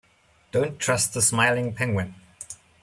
Don't trust the smiling penguin.